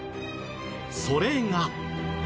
それが。